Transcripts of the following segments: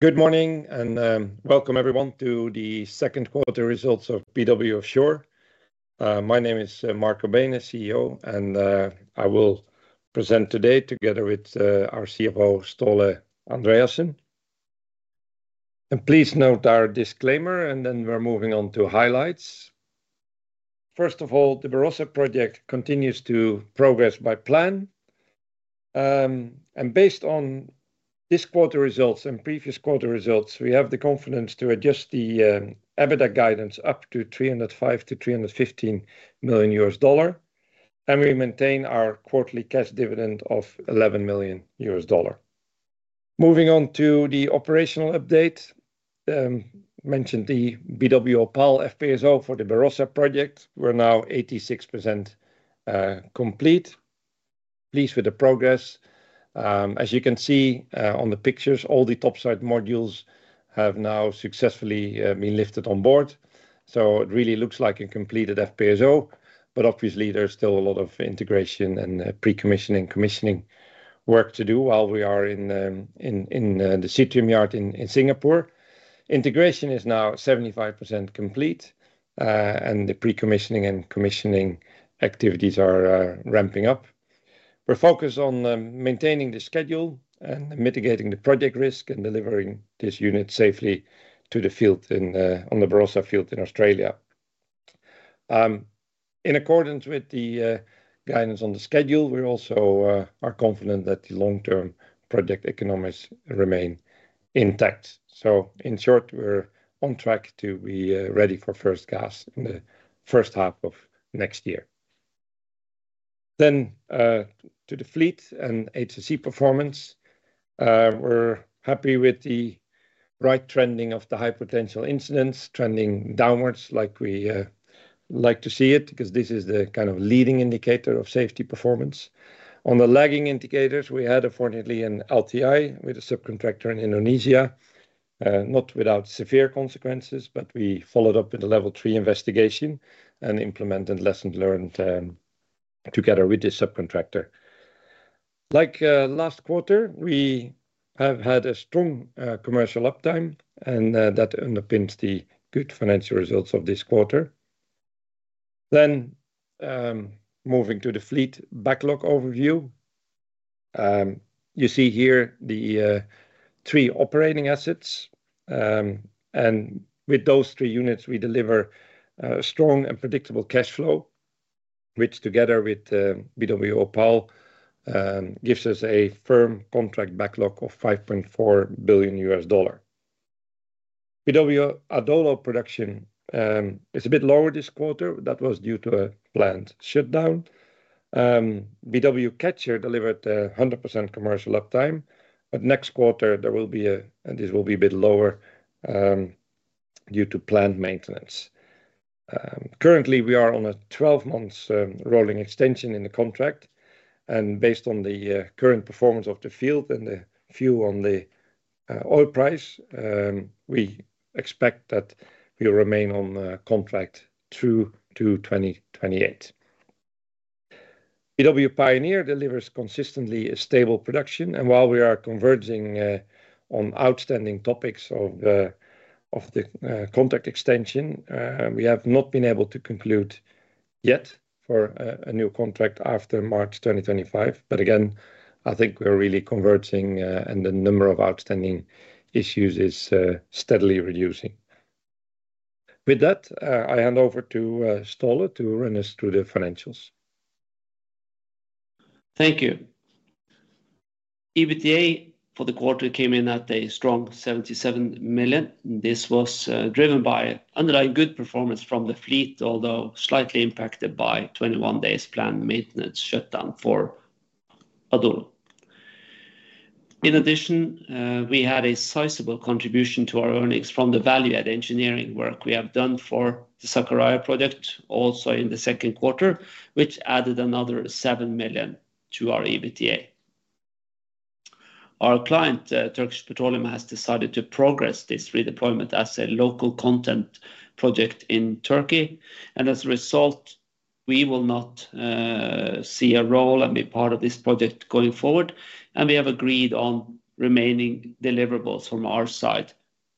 Good morning, and welcome everyone to the second quarter results of BW Offshore. My name is Marco Beenen, CEO, and I will present today together with our CFO, Ståle Andreassen. Please note our disclaimer, and then we're moving on to highlights. First of all, the Barossa project continues to progress by plan. Based on this quarter results and previous quarter results, we have the confidence to adjust the EBITDA guidance up to $305-$315 million, and we maintain our quarterly cash dividend of $11 million. Moving on to the operational update, mentioned the BW Opal FPSO for the Barossa project. We're now 86% complete. Pleased with the progress. As you can see, on the pictures, all the topside modules have now successfully been lifted on board, so it really looks like a completed FPSO. But obviously, there's still a lot of integration and pre-commissioning, commissioning work to do while we are in the Seatrium yard in Singapore. Integration is now 75% complete, and the pre-commissioning and commissioning activities are ramping up. We're focused on maintaining the schedule and mitigating the project risk, and delivering this unit safely to the field on the Barossa field in Australia. In accordance with the guidance on the schedule, we also are confident that the long-term project economics remain intact. So in short, we're on track to be ready for first gas in the first half of next year. Then to the fleet and HSE performance. We're happy with the right trending of the high potential incidents, trending downwards like we like to see it, 'cause this is the kind of leading indicator of safety performance. On the lagging indicators, we had, unfortunately, an LTI with a subcontractor in Indonesia. Not without severe consequences, but we followed up with a level three investigation and implemented lessons learned, together with the subcontractor. Like last quarter, we have had a strong commercial uptime, and that underpins the good financial results of this quarter. Then moving to the fleet backlog overview. You see here the three operating assets. And with those three units, we deliver strong and predictable cash flow, which, together with BW Opal, gives us a firm contract backlog of $5.4 billion. BW Adolo production is a bit lower this quarter. That was due to a planned shutdown. BW Catcher delivered 100% commercial uptime, but next quarter there will be, and this will be a bit lower due to planned maintenance. Currently, we are on a 12-month rolling extension in the contract, and based on the current performance of the field and the view on the oil price, we expect that we will remain on the contract through to 2028. BW Pioneer delivers consistently a stable production, and while we are converging on outstanding topics of the contract extension, we have not been able to conclude yet for a new contract after March 2025. But again, I think we're really converging, and the number of outstanding issues is steadily reducing. With that, I hand over to Ståle to run us through the financials. Thank you. EBITDA for the quarter came in at a strong $77 million. This was driven by underlying good performance from the fleet, although slightly impacted by 21 days planned maintenance shutdown for Adolo. In addition, we had a sizable contribution to our earnings from the value-add engineering work we have done for the Sakarya project, also in the second quarter, which added another $7 million to our EBITDA. Our client, Turkish Petroleum, has decided to progress this redeployment as a local content project in Turkey, and as a result, we will not play a role and be part of this project going forward. We have agreed on remaining deliverables from our side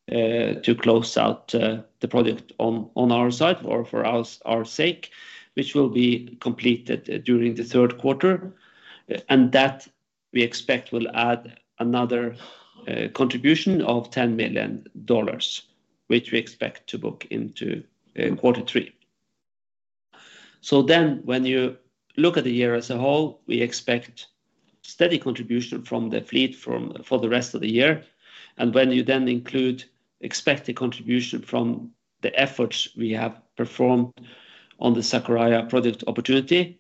to close out the project on our side or for our sake, which will be completed during the third quarter. That, we expect, will add another contribution of $10 million, which we expect to book into quarter three. Then, when you look at the year as a whole, we expect steady contribution from the fleet for the rest of the year. When you then include expected contribution from the efforts we have performed on the Sakarya project opportunity,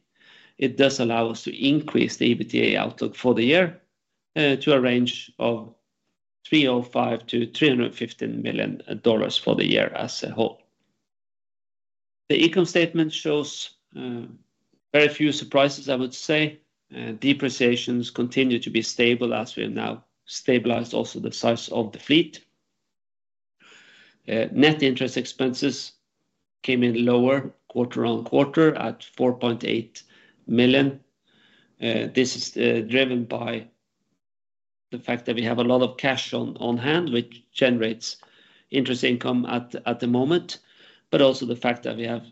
it does allow us to increase the EBITDA outlook for the year to a range of $305-$315 million for the year as a whole. The income statement shows very few surprises, I would say. Depreciations continue to be stable as we have now stabilized also the size of the fleet. Net interest expenses came in lower quarter-on-quarter at $4.8 million. This is driven by the fact that we have a lot of cash on hand, which generates interest income at the moment, but also the fact that we have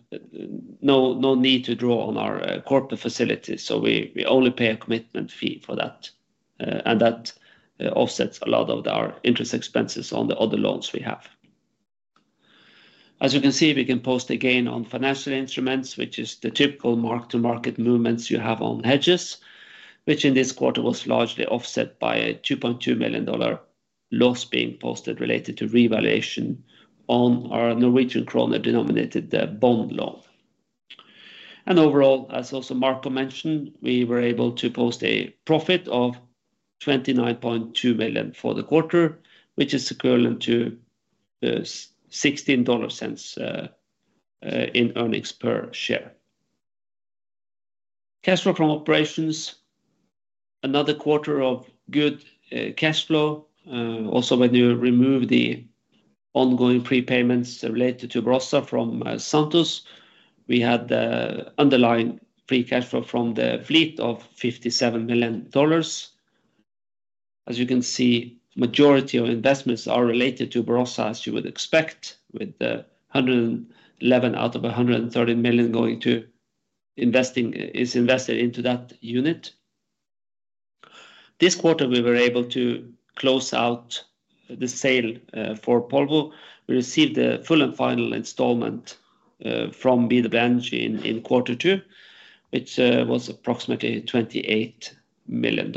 no need to draw on our corporate facilities. So we only pay a commitment fee for that, and that offsets a lot of our interest expenses on the other loans we have. As you can see, we can post a gain on financial instruments, which is the typical mark-to-market movements you have on hedges, which in this quarter was largely offset by a $2.2 million loss being posted related to revaluation on our Norwegian kroner-denominated bond loan. Overall, as also Marco mentioned, we were able to post a profit of $29.2 million for the quarter, which is equivalent to $0.16 in earnings per share. Cash flow from operations, another quarter of good cash flow. Also, when you remove the ongoing prepayments related to Barossa from Santos, we had the underlying free cash flow from the fleet of $57 million. As you can see, majority of investments are related to Barossa, as you would expect, with the $111 million out of $130 million going to investing is invested into that unit. This quarter, we were able to close out the sale for Polvo. We received the full and final installment from Wide Range in quarter two, which was approximately $28 million.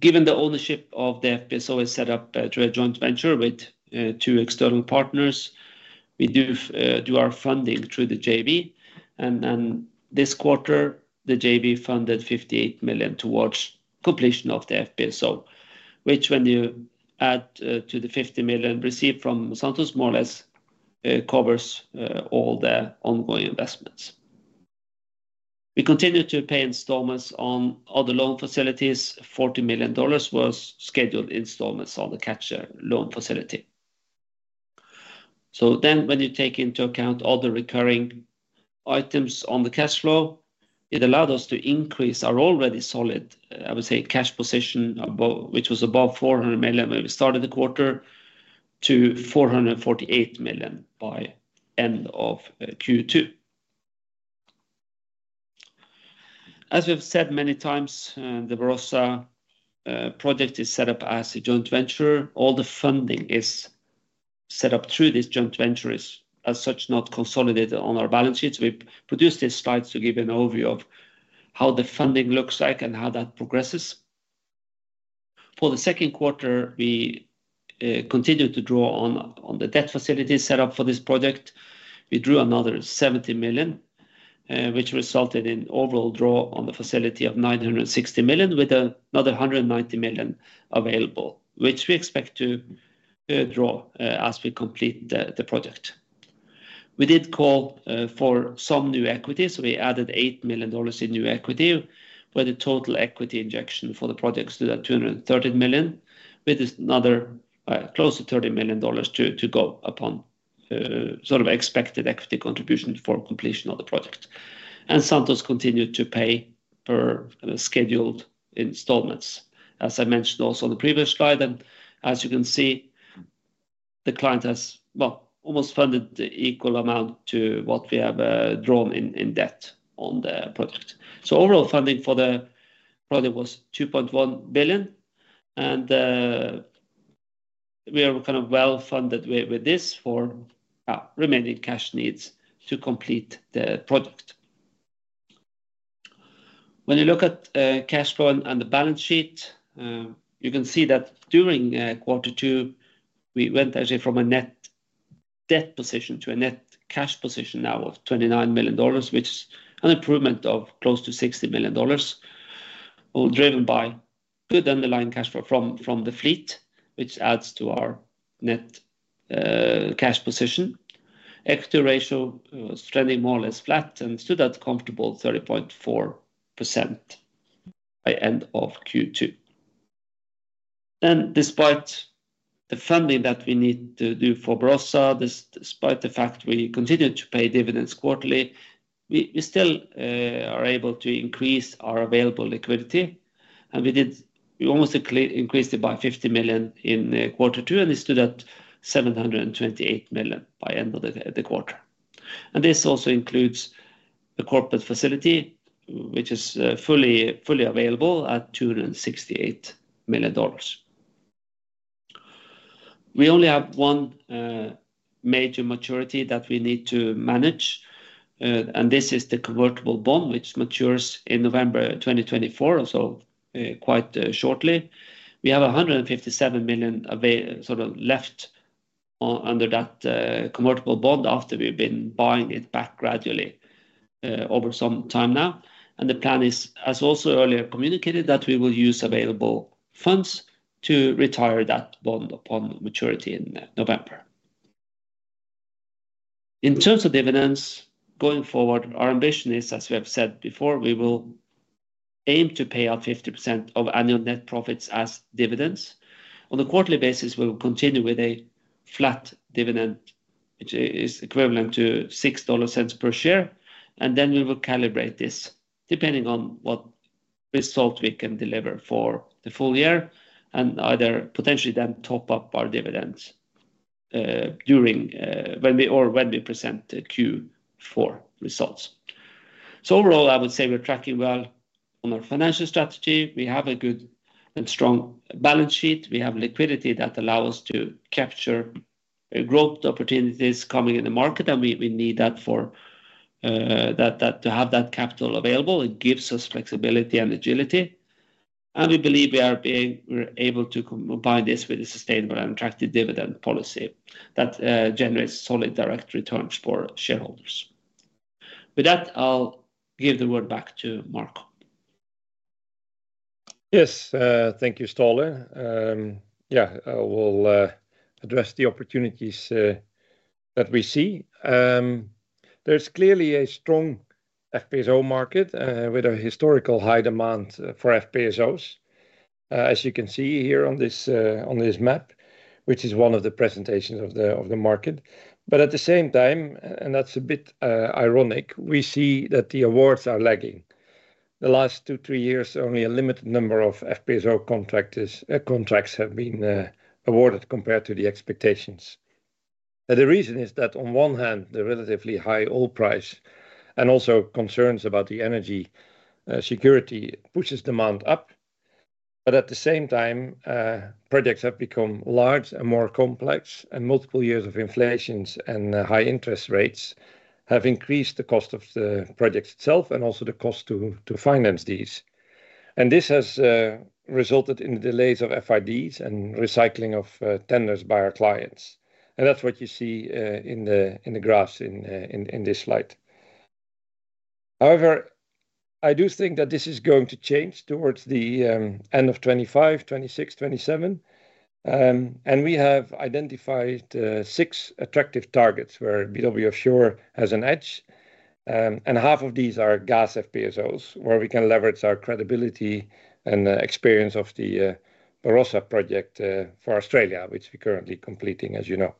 Given the ownership of the FPSO is set up through a joint venture with two external partners, we do our funding through the JV. Then, this quarter, the JV funded $58 million towards completion of the FPSO, which when you add to the $50 million received from Santos, more or less, covers all the ongoing investments. We continue to pay installments on other loan facilities. $40 million was scheduled installments on the Catcher loan facility. Then when you take into account all the recurring items on the cash flow, it allowed us to increase our already solid, I would say, cash position above, which was above $400 million when we started the quarter, to $448 million by end of Q2. As we've said many times, the Barossa project is set up as a joint venture. All the funding is set up through these joint ventures, as such, not consolidated on our balance sheets. We've produced these slides to give you an overview of how the funding looks like and how that progresses. For the second quarter, we continued to draw on the debt facility set up for this project. We drew another $70 million, which resulted in overall draw on the facility of $960 million, with another $190 million available, which we expect to draw as we complete the project. We did call for some new equity, so we added $8 million in new equity, where the total equity injection for the project stood at $230 million, with another close to $30 million to go upon sort of expected equity contribution for completion of the project. And Santos continued to pay per scheduled installments, as I mentioned also on the previous slide. And as you can see, the client has well almost funded the equal amount to what we have drawn in debt on the project. So overall funding for the project was $2.1 billion, and we are kind of well-funded with this for remaining cash needs to complete the project. When you look at cash flow on the balance sheet, you can see that during quarter two, we went actually from a net debt position to a net cash position now of $29 million, which is an improvement of close to $60 million, all driven by good underlying cash flow from the fleet, which adds to our net cash position. Equity ratio was trending more or less flat and stood at comfortable 30.4% by end of Q2. Despite the funding that we need to do for Barossa, despite the fact we continued to pay dividends quarterly, we still are able to increase our available liquidity. We almost increased it by $50 million in quarter two, and it stood at $728 million by end of the quarter. This also includes the corporate facility, which is fully available at $268 million. We only have one major maturity that we need to manage, and this is the convertible bond, which matures in November 2024, and so quite shortly. We have $157 million available left under that convertible bond after we've been buying it back gradually over some time now. The plan is, as also earlier communicated, that we will use available funds to retire that bond upon maturity in November. In terms of dividends going forward, our ambition is, as we have said before, we will aim to pay out 50% of annual net profits as dividends. On a quarterly basis, we will continue with a flat dividend, which is equivalent to $0.06 per share, and then we will calibrate this depending on what result we can deliver for the full year, and either potentially then top up our dividends during when we present the Q4 results. Overall, I would say we're tracking well on our financial strategy. We have a good and strong balance sheet. We have liquidity that allow us to capture growth opportunities coming in the market, and we need that for that to have that capital available. It gives us flexibility and agility, and we believe we're able to combine this with a sustainable and attractive dividend policy that generates solid direct returns for shareholders. With that, I'll give the word back to Marco. Yes, thank you, Ståle. Yeah, I will address the opportunities that we see. There's clearly a strong FPSO market with a historical high demand for FPSOs. As you can see here on this map, which is one of the presentations of the market. But at the same time, and that's a bit ironic, we see that the awards are lagging. The last two, three years, only a limited number of FPSO contractor contracts have been awarded compared to the expectations. And the reason is that, on one hand, the relatively high oil price and also concerns about the energy security pushes demand up. But at the same time, projects have become large and more complex, and multiple years of inflations and high interest rates have increased the cost of the project itself and also the cost to finance these. And this has resulted in delays of FIDs and recycling of tenders by our clients. And that's what you see in the graphs in this slide. However, I do think that this is going to change towards the end of 2025, 2026, 2027. And we have identified six attractive targets where BW Offshore has an edge, and half of these are gas FPSOs, where we can leverage our credibility and the experience of the Barossa project for Australia, which we're currently completing, as you know.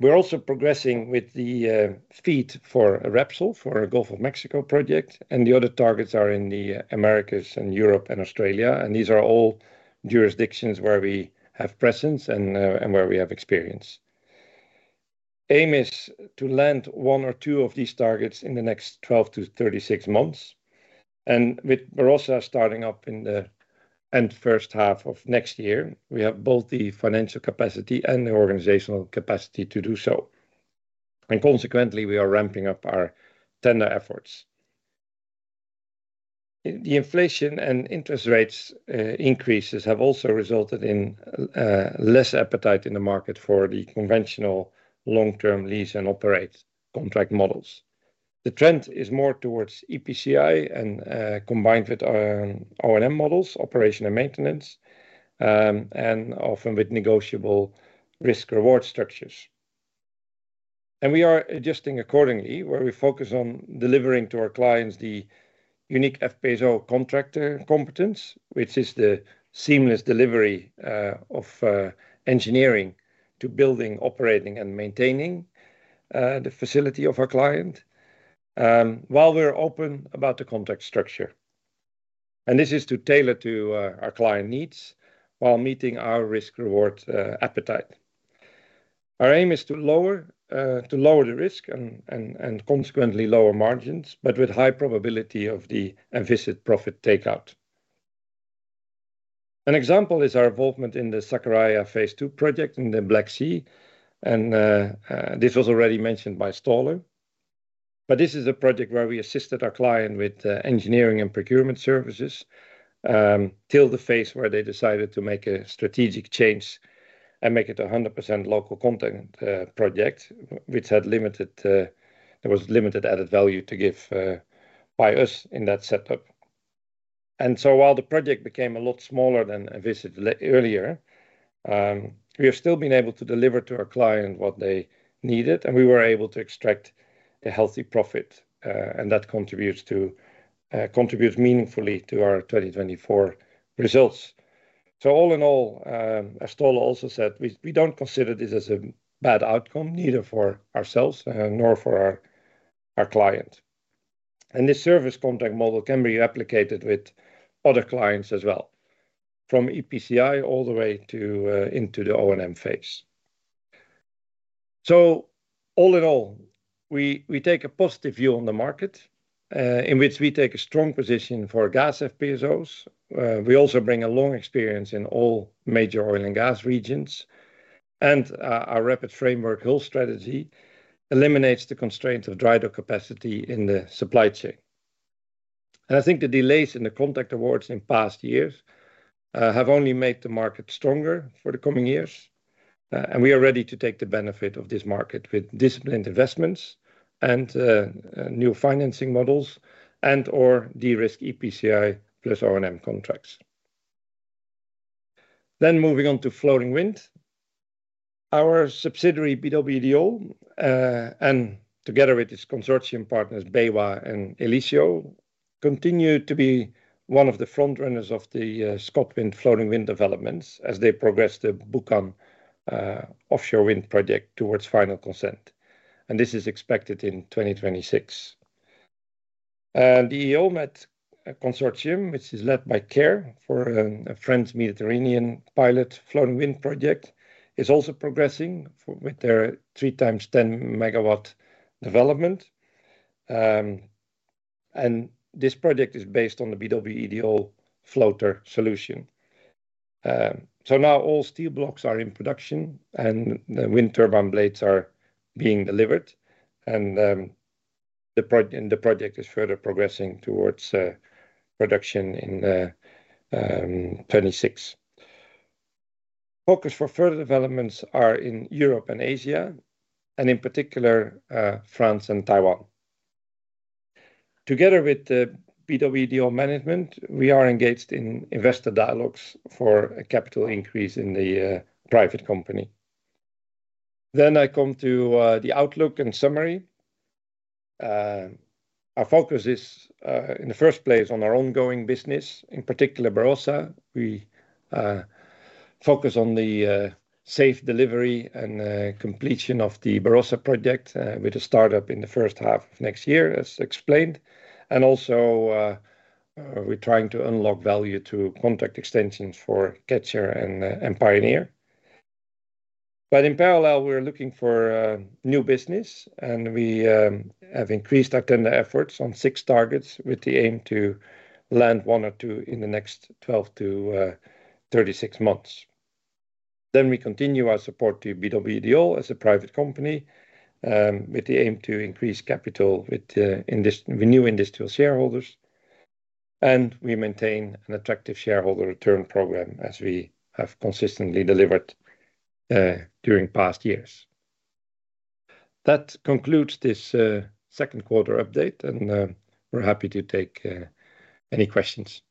We're also progressing with the FEED for Repsol, for our Gulf of Mexico project, and the other targets are in the Americas and Europe and Australia, and these are all jurisdictions where we have presence and where we have experience. Aim is to land one or two of these targets in the next 12-36 months, and with Barossa starting up in the end first half of next year, we have both the financial capacity and the organizational capacity to do so. Consequently, we are ramping up our tender efforts. The inflation and interest rates increases have also resulted in less appetite in the market for the conventional long-term lease and operate contract models. The trend is more towards EPCI and combined with O&M models, operation and maintenance, and often with negotiable risk-reward structures. We are adjusting accordingly, where we focus on delivering to our clients the unique FPSO contractor competence, which is the seamless delivery of engineering to building, operating, and maintaining the facility of our client, while we're open about the contract structure. This is to tailor to our client needs while meeting our risk-reward appetite. Our aim is to lower the risk and consequently lower margins, but with high probability of the invested profit takeout. An example is our involvement in the Sakarya Phase-2 project in the Black Sea, and this was already mentioned by Ståle. But this is a project where we assisted our client with engineering and procurement services till the phase where they decided to make a strategic change and make it a 100% local content project, which had limited added value to give by us in that setup, and so while the project became a lot smaller than envisaged earlier, we have still been able to deliver to our client what they needed, and we were able to extract a healthy profit, and that contributes meaningfully to our 2024 results, so all in all, as Ståle also said, we don't consider this as a bad outcome, neither for ourselves nor for our client. And this service contract model can be replicated with other clients as well, from EPCI all the way to into the O&M phase. So all in all, we take a positive view on the market in which we take a strong position for gas FPSOs. We also bring a long experience in all major oil and gas regions, and our RapidFramework hull strategy eliminates the constraint of dry dock capacity in the supply chain. And I think the delays in the contract awards in past years have only made the market stronger for the coming years, and we are ready to take the benefit of this market with disciplined investments and new financing models and/or de-risk EPCI plus O&M contracts... Then moving on to floating wind. Our subsidiary, BW Ideol, and together with its consortium partners, BayWa and Elicio, continue to be one of the front runners of the Scotland floating wind developments as they progress the Buchan offshore wind project towards final consent, and this is expected in 2026. The Eolmed Consortium, which is led by Qair for a French Mediterranean pilot floating wind project, is also progressing with their three times ten megawatt development. This project is based on the BW Ideol floater solution. Now all steel blocks are in production, and the wind turbine blades are being delivered, and the project is further progressing towards production in 2026. Focus for further developments are in Europe and Asia, and in particular, France and Taiwan. Together with the BW Ideol management, we are engaged in investor dialogues for a capital increase in the private company, then I come to the outlook and summary. Our focus is in the first place on our ongoing business, in particular, Barossa. We focus on the safe delivery and completion of the Barossa project with a startup in the first half of next year, as explained, and also we're trying to unlock value to contract extensions for Catcher and Pioneer, but in parallel, we're looking for new business, and we have increased our tender efforts on six targets with the aim to land one or two in the next 12-36 months. Then we continue our support to BW Ideol as a private company, with the aim to increase capital with new industrial shareholders, and we maintain an attractive shareholder return program as we have consistently delivered during past years. That concludes this second quarter update, and we're happy to take any questions.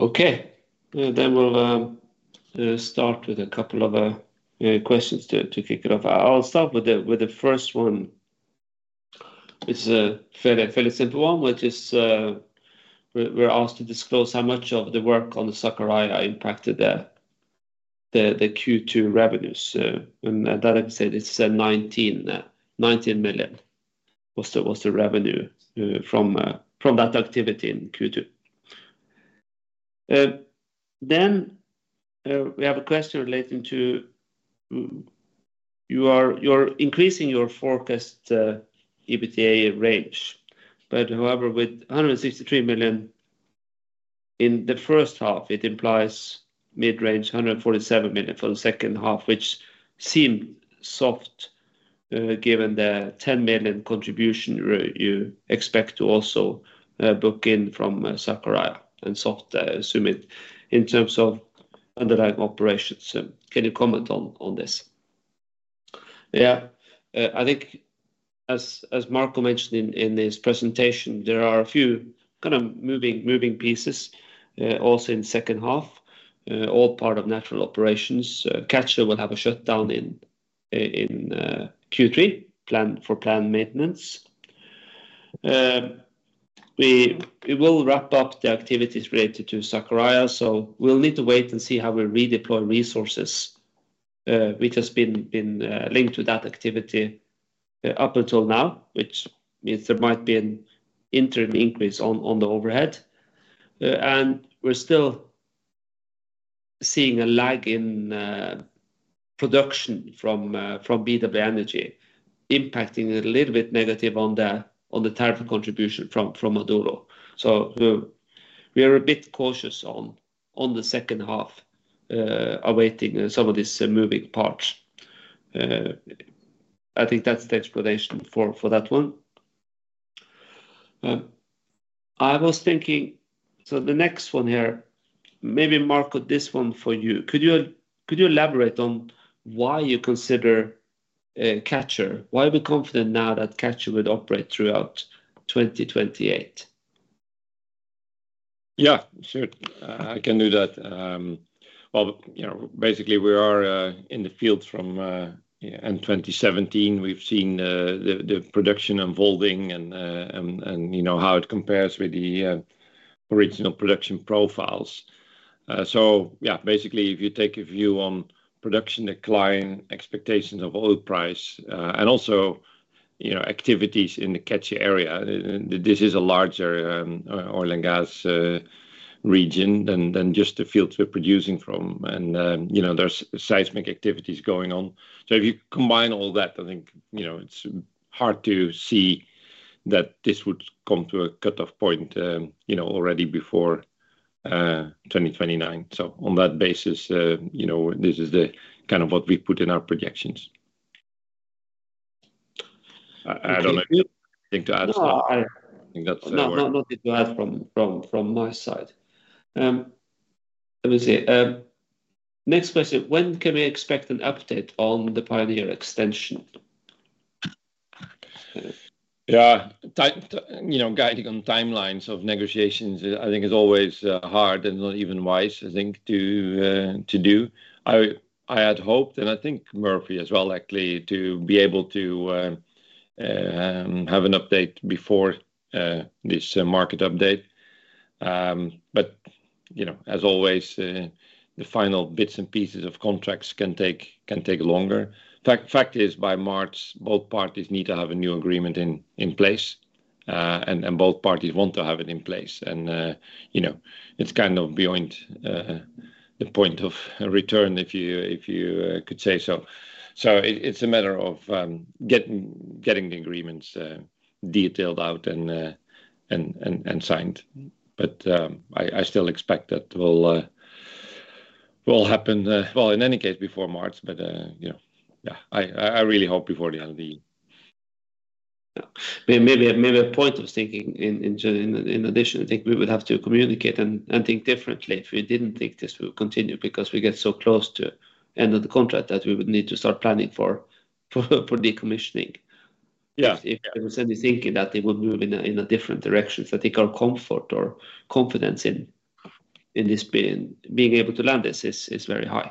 Okay. Then we'll start with a couple of questions to kick it off. I'll start with the first one. It's a fairly simple one, which is, we're asked to disclose how much of the work on the Sakarya impacted the Q2 revenues, and that said, it's 19 million was the revenue from that activity in Q2. Then we have a question relating to, you're increasing your forecast EBITDA range, but however, with 163 million in the first half, it implies mid-range 147 million for the second half, which seem soft, given the 10 million contribution you expect to also book in from Sakarya, and soft, assume it in terms of underlying operations. So can you comment on this? Yeah. I think as Marco mentioned in his presentation, there are a few kind of moving pieces also in second half all part of natural operations. Catcher will have a shutdown in Q3 for planned maintenance. We will wrap up the activities related to Sakarya, so we'll need to wait and see how we redeploy resources which has been linked to that activity up until now, which means there might be an interim increase on the overhead. And we're still seeing a lag in production from BW Energy, impacting a little bit negative on the tariff contribution from Adolo. So we are a bit cautious on the second half awaiting some of these moving parts. I think that's the explanation for that one. I was thinking... So the next one here, maybe, Marco, this one for you. Could you elaborate on why you consider Catcher? Why are we confident now that Catcher would operate throughout 2028? Yeah, sure. I can do that. Well, you know, basically, we are in the field from end 2017. We've seen the production evolving and, you know, how it compares with the original production profiles, so yeah, basically, if you take a view on production decline, expectations of oil price, and also, you know, activities in the Catcher area, this is a larger oil and gas region than just the fields we're producing from. You know, there's seismic activities going on, so if you combine all that, I think, you know, it's hard to see that this would come to a cutoff point, you know, already before 2029, so on that basis, you know, this is the kind of what we put in our projections. I don't know anything to add. No, I- I think that's. No, no, nothing to add from my side. Let me see. Next question: When can we expect an update on the Pioneer extension? Yeah, you know, guiding on timelines of negotiations, I think, is always hard and not even wise, I think, to do. I had hoped, and I think Murphy as well, actually, to be able to have an update before this market update. But, you know, as always, the final bits and pieces of contracts can take longer. Fact is, by March, both parties need to have a new agreement in place, and both parties want to have it in place. And, you know, it's kind of beyond the point of return, if you could say so. So it's a matter of getting the agreements detailed out and signed. But I still expect that will happen, well, in any case, before March. But you know, yeah, I really hope before the end of the year. Yeah. Maybe, maybe a point of thinking in general, in addition, I think we would have to communicate and think differently if we didn't think this will continue, because we get so close to the end of the contract that we would need to start planning for decommissioning. Yeah. If there was any thinking that they would move in a different direction. I think our comfort or confidence in this being able to land this is very high.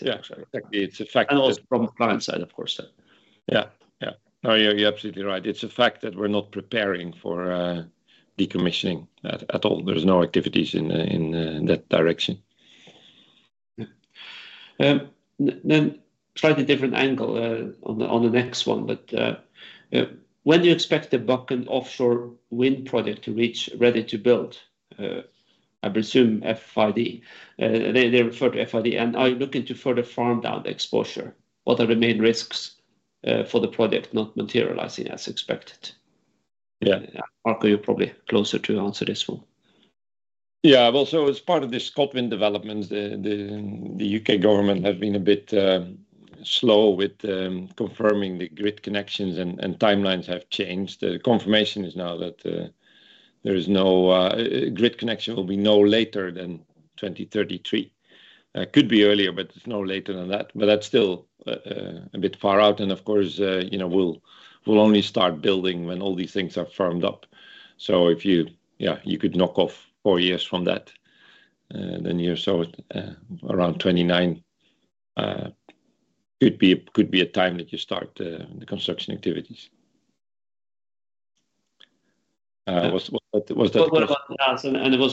Yeah, exactly. It's a fact- And also from the client side, of course. Yeah. Yeah. No, you're absolutely right. It's a fact that we're not preparing for decommissioning at all. There's no activities in that direction. Yeah. Then slightly different angle, on the, on the next one, but, when do you expect the Buchan offshore wind project to reach ready to build? I presume FID. They refer to FID. And are you looking to further farm down the exposure? What are the main risks, for the project not materializing as expected? Yeah. Marco, you're probably closer to answer this one. Yeah. Well, so as part of the scoping developments, the U.K. government have been a bit slow with confirming the grid connections, and timelines have changed. The confirmation is now that the grid connection will be no later than twenty thirty-three. Could be earlier, but it's no later than that. But that's still a bit far out, and of course, you know, we'll only start building when all these things are firmed up. So if you... Yeah, you could knock off four years from that, then you're so around twenty-nine, could be a time that you start the construction activities. Was that- It was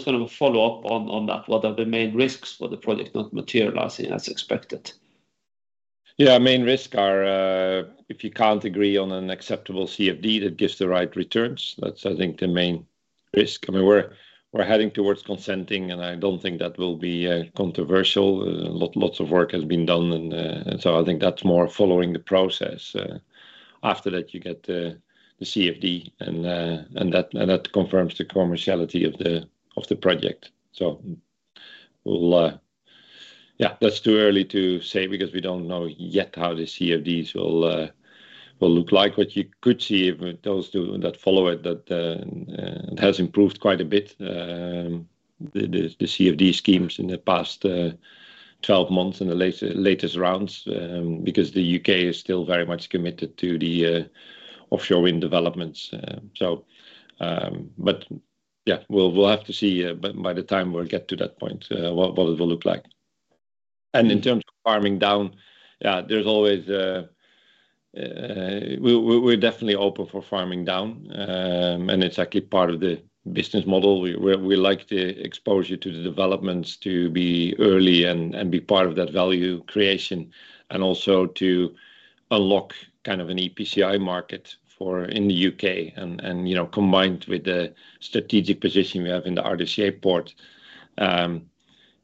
kind of a follow-up on that. What are the main risks for the project not materializing as expected? Yeah, main risk are if you can't agree on an acceptable CFD that gives the right returns, that's, I think, the main risk. I mean, we're heading towards consenting, and I don't think that will be controversial. Lots of work has been done, and so I think that's more following the process. After that, you get the CFD, and that confirms the commerciality of the project. So we'll... Yeah, that's too early to say because we don't know yet how the CFDs will look like. What you could see, if those two that follow it, that it has improved quite a bit, the CFD schemes in the past twelve months, in the latest rounds, because the UK is still very much committed to the offshore wind developments. So, but, yeah, we'll have to see, by the time we'll get to that point, what it will look like. Mm. And in terms of farming down, there's always... We're definitely open for farming down, and it's actually part of the business model. We like the exposure to the developments to be early and be part of that value creation, and also to unlock kind of an EPCI market for in the UK. And, you know, combined with the strategic position we have in the Ardersier Port,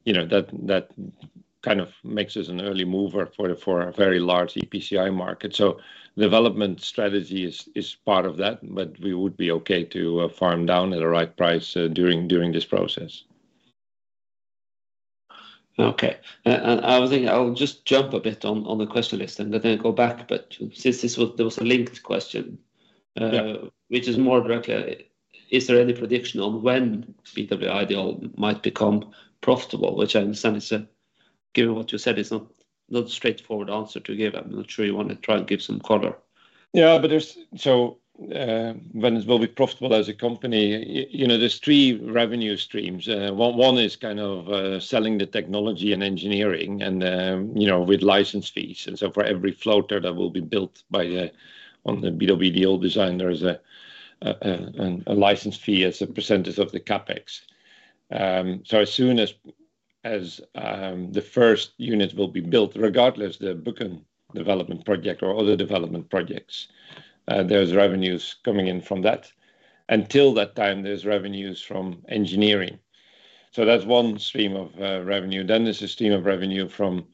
you know, that kind of makes us an early mover for a very large EPCI market. So development strategy is part of that, but we would be okay to farm down at the right price during this process. Okay. And I was thinking I'll just jump a bit on the question list, and then go back. But since there was a linked question- Yeah... which is, more directly, is there any prediction on when BW Ideol might become profitable? Which I understand is, given what you said, not a straightforward answer to give. I'm not sure you want to try and give some color. Yeah, but there's... So, when it will be profitable as a company, you know, there's three revenue streams. One is kind of selling the technology and engineering and, you know, with license fees. And so for every floater that will be built by the, on the BW Ideol design, there is a license fee as a percentage of the CapEx. So as soon as the first unit will be built, regardless the Buchan development project or other development projects, there's revenues coming in from that. Until that time, there's revenues from engineering. So that's one stream of revenue. Then there's a stream of revenue from,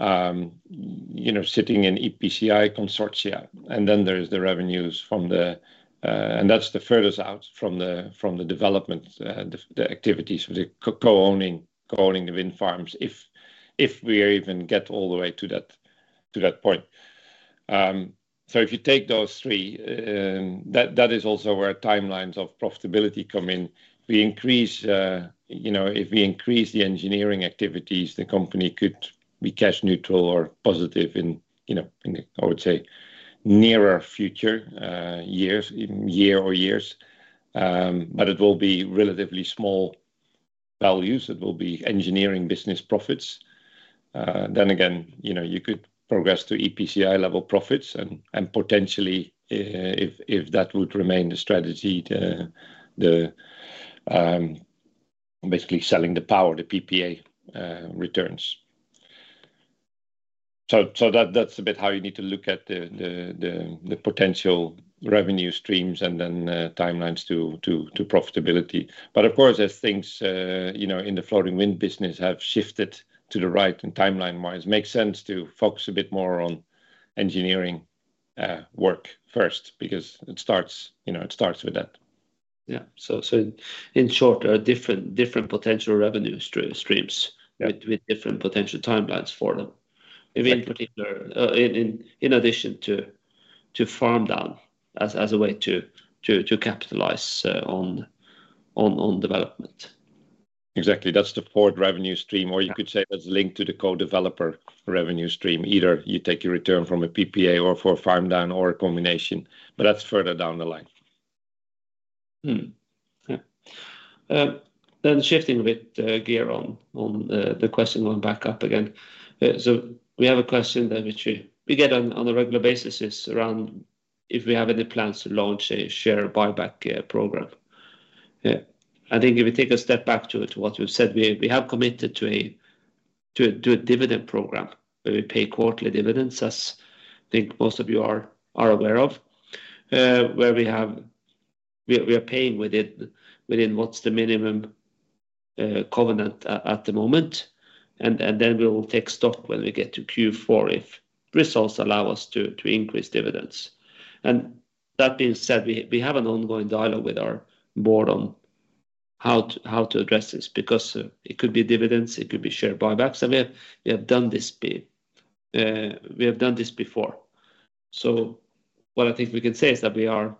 you know, sitting in EPCI consortia, and then there's the revenues from the... And that's the furthest out from the development, the activities with the co-owning the wind farms, if we even get all the way to that point. So if you take those three, that is also where timelines of profitability come in. We increase, you know, if we increase the engineering activities, the company could be cash neutral or positive in, you know, in, I would say, nearer future, years, in year-over-years. But it will be relatively small values. It will be engineering business profits. Then again, you know, you could progress to EPCI level profits, and potentially, if that would remain the strategy, the basically selling the power, the PPA returns. So, that's a bit how you need to look at the potential revenue streams, and then timelines to profitability. But of course, as things you know in the floating wind business have shifted to the right and timeline wise, it makes sense to focus a bit more on engineering work first, because it starts you know with that. Yeah. So in short, there are different potential revenue streams- Yeah... with different potential timelines for them. Yeah. In particular, in addition to farm down as a way to capitalize on development. Exactly. That's the fourth revenue stream, or you could say- Yeah... that's linked to the co-developer revenue stream. Either you take your return from a PPA or for a farm down or a combination, but that's further down the line. Yeah. Then shifting a bit gear on the question on buyback again. So we have a question that which we get on a regular basis, is around if we have any plans to launch a share buyback program. Yeah, I think if you take a step back to what we've said, we have committed to a dividend program, where we pay quarterly dividends, as I think most of you are aware of. Where we have... We are paying within what's the minimum covenant at the moment, and then we will take stock when we get to Q4, if results allow us to increase dividends. And that being said, we have an ongoing dialogue with our board on how to address this, because it could be dividends, it could be share buybacks. And we have done this before. So what I think we can say is that we are.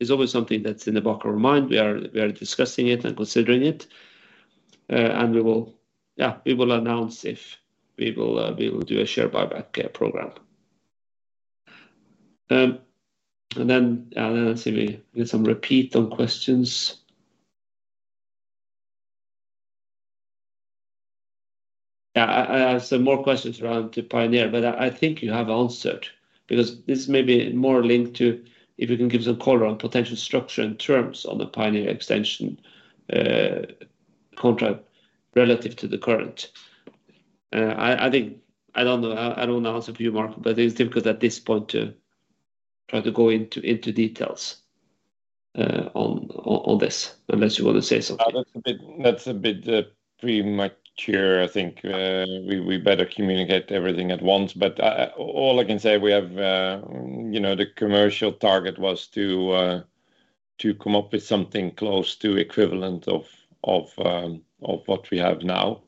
It's always something that's in the back of our mind. We are discussing it and considering it. And we will announce if we will do a share buyback program. And then, then let's see, we need some repeat on questions. Yeah, I have some more questions around Pioneer, but I think you have answered, because this may be more linked to if you can give some color on potential structure and terms on the Pioneer extension contract relative to the current. I think I don't know. I don't know the answer to you, Marco, but it is difficult at this point to try to go into details on this, unless you want to say something. That's a bit premature. I think we better communicate everything at once. But all I can say, we have, you know, the commercial target was to come up with something close to equivalent of what we have now.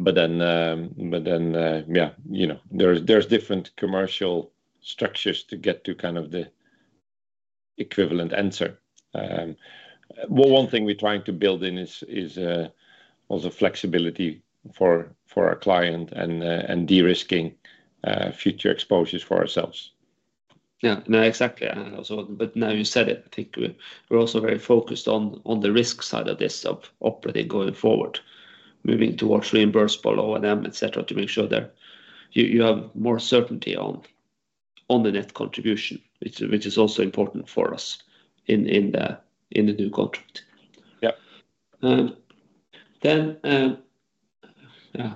But then, you know, there's different commercial structures to get to kind of the equivalent answer. Well, one thing we're trying to build in is also flexibility for our client and de-risking future exposures for ourselves. Yeah. No, exactly. And also, but now you said it. I think we, we're also very focused on, on the risk side of this, of operating going forward, moving towards reimbursable O&M, et cetera, to make sure that you, you have more certainty on, on the net contribution, which, which is also important for us in, in the, in the new contract. Yeah. Then, yeah,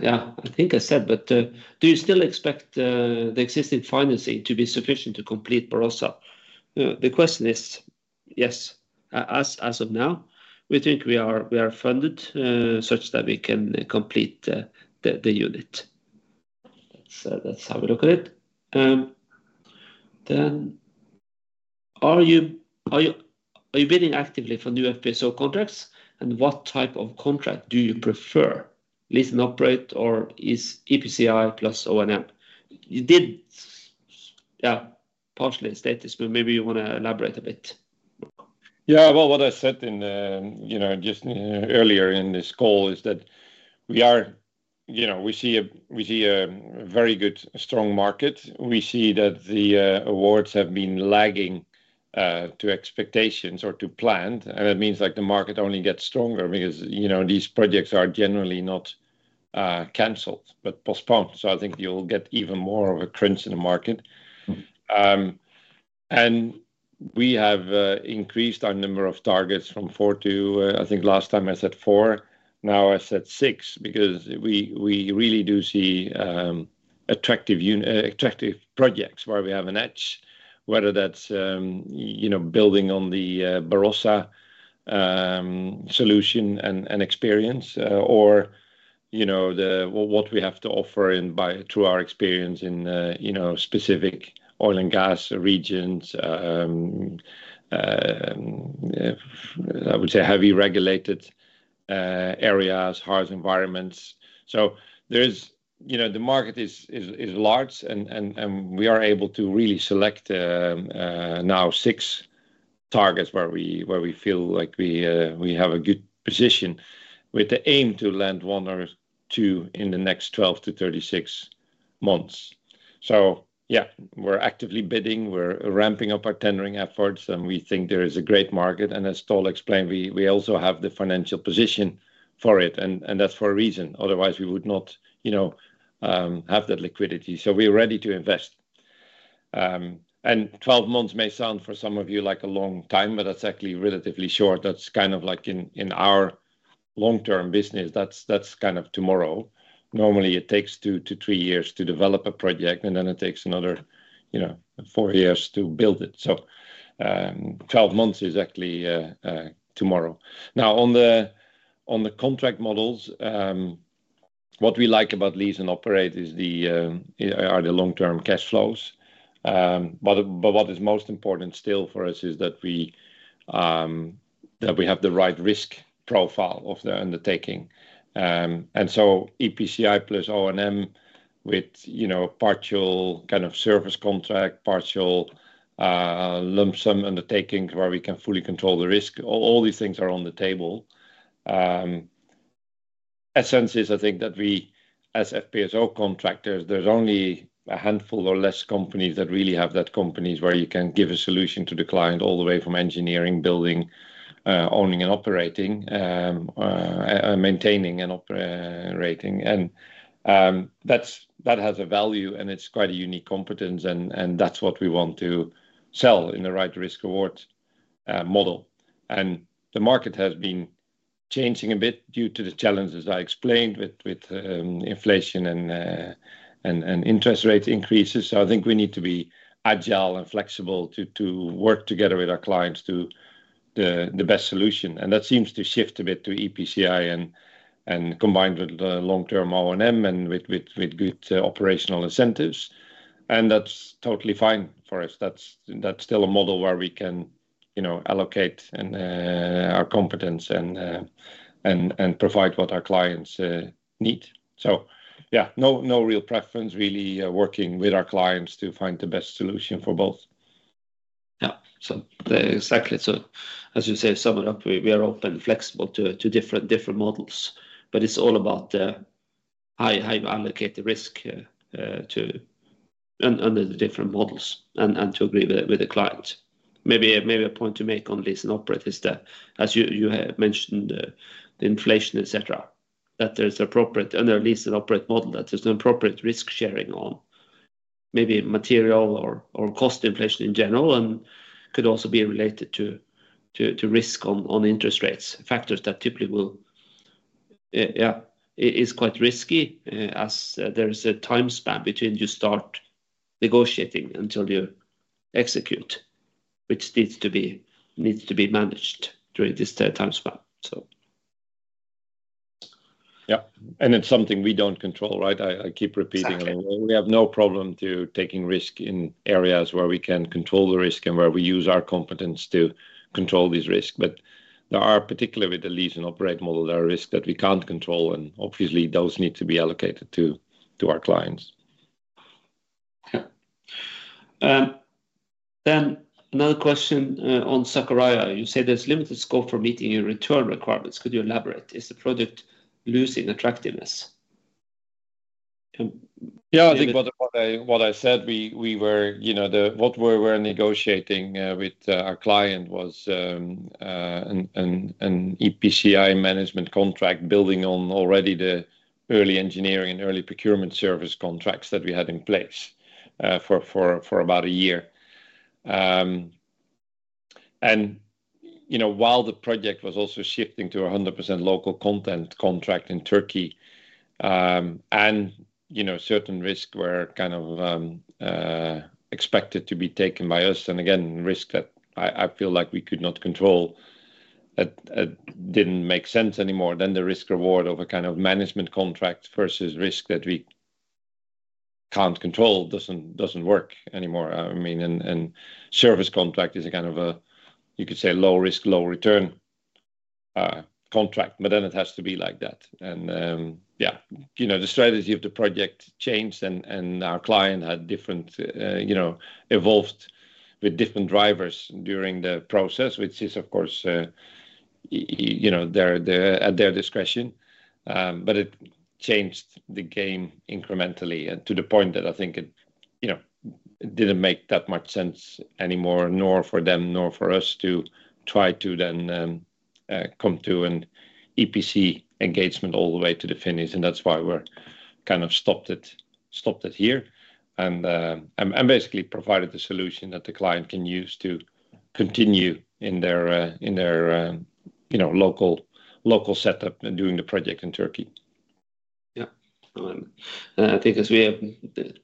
yeah, I think I said, but do you still expect the existing financing to be sufficient to complete Barossa? The question is, yes. As of now, we think we are funded such that we can complete the unit. Let's have a look at it. Then, are you bidding actively for new FPSO contracts? And what type of contract do you prefer, lease and operate, or is EPCI plus O&M? You did, yeah, partially state this, but maybe you wanna elaborate a bit more. Yeah, well, what I said in, you know, just earlier in this call is that we are... You know, we see a, we see a very good, strong market. We see that the awards have been lagging to expectations or to planned, and it means, like, the market only gets stronger because, you know, these projects are generally not canceled, but postponed. So I think you'll get even more of a crunch in the market. Mm-hmm. And we have increased our number of targets from four to, I think last time I said four, now I said six, because we really do see attractive projects where we have an edge. Whether that's, you know, building on the Barossa solution and experience, or you know, the what we have to offer in by, through our experience in, you know, specific oil and gas regions. I would say heavy regulated areas, harsh environments. So there is, you know, the market is large, and we are able to really select now six targets where we feel like we have a good position, with the aim to land one or two in the next twelve to thirty-six months. So yeah, we're actively bidding. We're ramping up our tendering efforts, and we think there is a great market, and as Ståle explained, we also have the financial position for it, and that's for a reason, otherwise we would not, you know, have that liquidity. So we're ready to invest, and twelve months may sound for some of you like a long time, but that's actually relatively short. That's kind of like in our long-term business, that's kind of tomorrow. Normally, it takes two to three years to develop a project, and then it takes another, you know, four years to build it, so twelve months is actually tomorrow. Now, on the contract models, what we like about lease and operate is the long-term cash flows. But what is most important still for us is that we have the right risk profile of the undertaking. And so EPCI plus O&M with, you know, partial kind of service contract, partial, lump sum undertakings where we can fully control the risk. All these things are on the table. Essence is, I think that we, as FPSO contractors, there's only a handful or less companies that really have that companies where you can give a solution to the client all the way from engineering, building, owning and operating, maintaining and operating. And that's that has a value, and it's quite a unique competence, and that's what we want to sell in the right risk reward model. And the market has been changing a bit due to the challenges I explained with inflation and interest rate increases. So I think we need to be agile and flexible to work together with our clients to the best solution. And that seems to shift a bit to EPCI and combined with the long-term O&M and with good operational incentives, and that's totally fine for us. That's still a model where we can, you know, allocate our competence and provide what our clients need. So yeah, no real preference, really, working with our clients to find the best solution for both. Yeah. So exactly. So as you say, to sum it up, we are open and flexible to different models, but it's all about how you allocate the risk under the different models and to agree with the client. Maybe a point to make on lease and operate is that, as you have mentioned, the inflation, et cetera, that there's appropriate under lease and operate model, that there's an appropriate risk sharing on maybe material or cost inflation in general, and could also be related to risk on interest rates. Factors that typically will it is quite risky, as there is a time span between you start negotiating until you execute, which needs to be managed during this time span, so. Yeah, and it's something we don't control, right? I, I keep repeating. Exactly. We have no problem taking risk in areas where we can control the risk and where we use our competence to control this risk. But there are, particularly with the lease and operate model, risks that we can't control, and obviously, those need to be allocated to our clients. Yeah. Then another question on Sakarya. You said there's limited scope for meeting your return requirements. Could you elaborate? Is the project losing attractiveness? Yeah, I think what I said, we were, you know, what we were negotiating with our client was an EPCI management contract, building on already the early engineering and early procurement service contracts that we had in place for about a year. And you know, while the project was also shifting to a 100% local content contract in Turkey, and you know, certain risks were kind of expected to be taken by us, and again, risk that I feel like we could not control that didn't make sense anymore. Then the risk reward of a kind of management contract versus risk that we can't control doesn't work anymore. I mean, service contract is a kind of a, you could say, low risk, low return, contract, but then it has to be like that. Yeah, you know, the strategy of the project changed, and our client had different, you know, evolved with different drivers during the process, which is, of course, you know, at their discretion. But it changed the game incrementally, and to the point that I think it, you know, it didn't make that much sense anymore, nor for them, nor for us to try to then come to an EPC engagement all the way to the finish, and that's why we're kind of stopped it here. Basically provided the solution that the client can use to continue in their, you know, local setup and doing the project in Turkey. Yeah. And I think as we have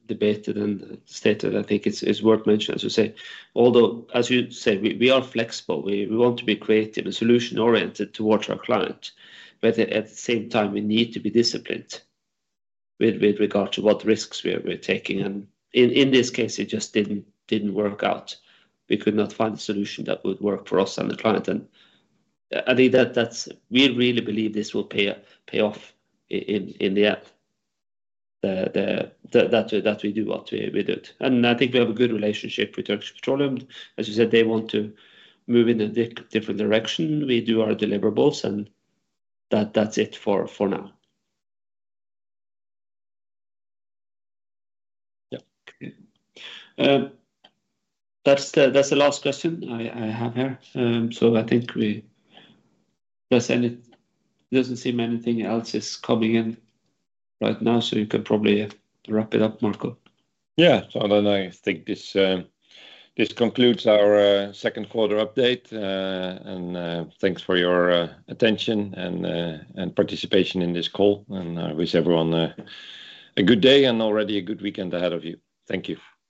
debated and stated, I think it's worth mentioning, as you say, although, as you said, we are flexible. We want to be creative and solution-oriented towards our client, but at the same time, we need to be disciplined with regard to what risks we're taking, and in this case, it just didn't work out. We could not find a solution that would work for us and the client, and I think that's... We really believe this will pay off in the end. That we do what we did. And I think we have a good relationship with Turkish Petroleum. As you said, they want to move in a different direction. We do our deliverables, and that's it for now. Yeah. That's the last question I have here. So I think we... Doesn't seem anything else is coming in right now, so you can probably wrap it up, Marco. Yeah. So then I think this concludes our second quarter update. Thanks for your attention and participation in this call. I wish everyone a good day and already a good weekend ahead of you. Thank you.